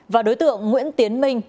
và đối tượng nguyễn tiến minh